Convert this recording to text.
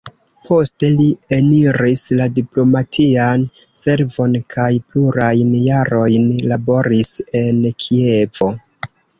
Poste li eniris la diplomatian servon kaj plurajn jarojn laboris en Kievo.